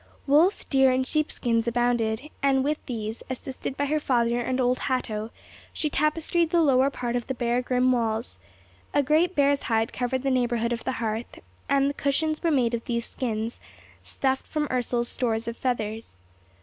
Wolf, deer, and sheep skins abounded; and with these, assisted by her father and old Hatto, she tapestried the lower part of the bare grim walls, a great bear's hide covered the neighbourhood of the hearth, and cushions were made of these skins, and stuffed from Ursel's stores of feathers.